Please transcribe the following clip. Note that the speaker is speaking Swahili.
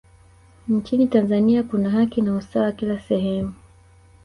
nchini tanzania kuna haki na usawa kila sehemu